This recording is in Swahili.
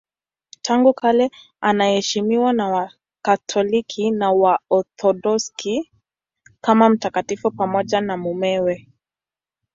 Tangu kale anaheshimiwa na Wakatoliki na Waorthodoksi kama mtakatifu pamoja na mumewe.